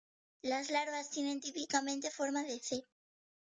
Las larvas tienen típicamente forma de "C".